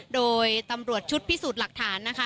โดยตำรวจชุดพิสูจน์หลักฐานนะคะ